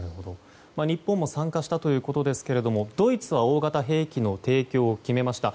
日本も参加したということですがドイツは大型兵器の提供を決めました。